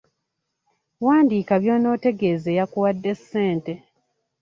Wandiika by’onootegeeza eyakuwadde ssente.